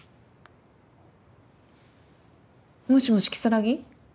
もしもし如月？